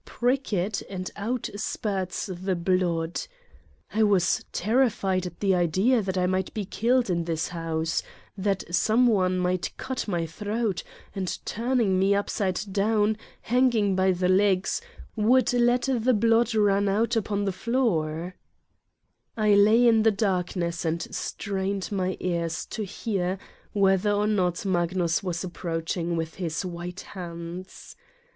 Prick it and out spurts the blood ! I was terrified at the idea that I might be killed in this house: That some one might cut my throat and turning me upside down, hanging by the legs, would let the blood run out upon the floor. 30 Satan's Diary I lay in the darkness and strained my ears to hear whether or not Magnus was approaching with his white hands.